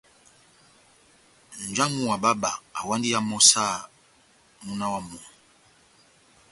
Nja wamu wa bába awandi iya mɔ́ saha múna wa momó.